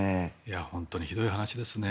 本当にひどい話ですね。